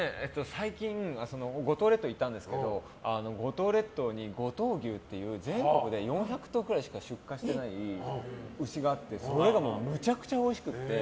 最近、五島列島に行ったんですけど五島列島に五島牛っていう全国で４００頭くらいしか出荷してない牛があってそれがむちゃくちゃおいしくて。